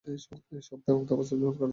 এবং সত্য তা বাস্তবসম্মত করে তোলে।